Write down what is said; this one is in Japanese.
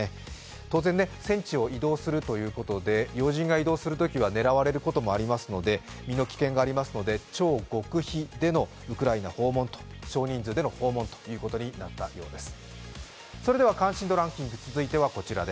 当然、戦地を移動するということで要人が移動することは狙われることもありますので身の危険もありますので超極秘でのウクライナ訪問と、少人数での訪問となったようです。